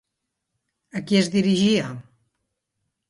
A qui es dirigia?